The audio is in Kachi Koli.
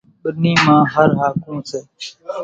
ٻنِي مان هر هاڪوون سي۔